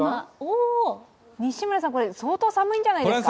西村さん、これ相当寒いんじゃないですか？